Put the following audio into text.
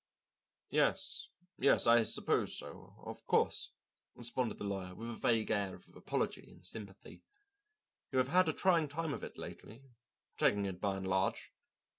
"Yes, yes, I suppose so, of course," responded the lawyer with a vague air of apology and sympathy. "You have had a trying time of it lately, taking it by and large.